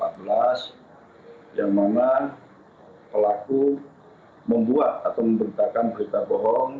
karena pelaku membuat atau memberitakan berita bohong